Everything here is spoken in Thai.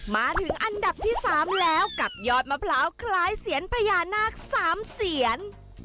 มาถึงอันดับที่๓แล้วกับยอดมะพร้าวคล้ายเสียนพญานาค๓เสียน